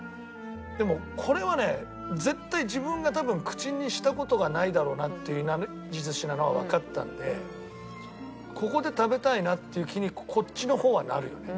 でもこれはね絶対自分が多分口にした事がないだろうなっていういなり寿司なのはわかったんでここで食べたいなっていう気にこっちの方はなるよね。